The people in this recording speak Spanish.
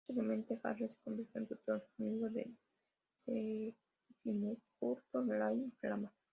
Posteriormente, Harrer se convierte en tutor y amigo del decimocuarto Dalái Lama.